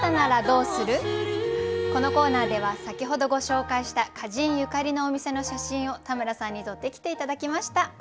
このコーナーでは先ほどご紹介した歌人ゆかりのお店の写真を田村さんに撮ってきて頂きました。